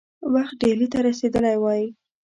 وخت ډهلي ته رسېدلی وای.